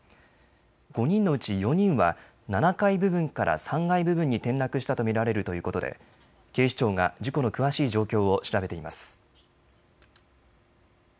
５人のうち４人は７階部分から３階部分に転落したと見られるということで警視庁が事故の詳しい状況を調べています。